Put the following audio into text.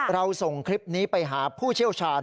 เราส่งคลิปนี้ไปหาผู้เชี่ยวชาญ